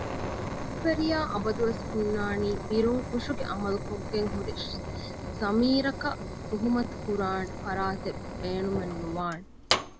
ކުށްވެރިޔާ އަބަދުވެސް ހުންނާނީ ބިރުން ކުށުގެ ޢަމަލު ކޮށްގެންހުރި ޟަމީރަކަށް ތުހުމަތުކުރާނެ ފަރާތެއް ބޭނުމެއް ނުވާނެ